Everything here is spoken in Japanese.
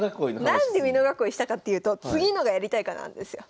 何で美濃囲いしたかっていうと次のがやりたいからなんですよ。